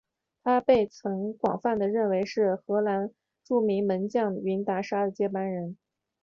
他曾被广泛认为是荷兰著名门将云达沙的接班人。